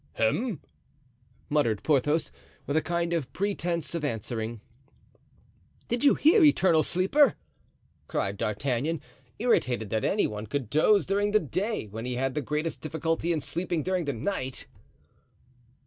"Hem!" muttered Porthos, with a kind of pretense of answering. "Did you hear, eternal sleeper?" cried D'Artagnan, irritated that any one could doze during the day, when he had the greatest difficulty in sleeping during the night.